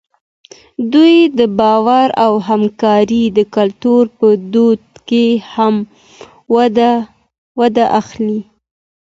دوی د باور او همکارۍ د کلتور په وده کې مهمه ونډه اخلي.